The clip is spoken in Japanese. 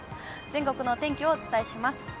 全国のお天気をお伝えします。